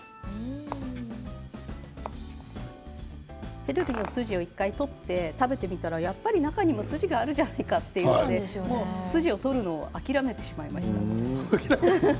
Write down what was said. セロリの筋を１回、取って食べてみたらやっぱり中にも筋があるじゃんって言われて筋を取るのを諦めました。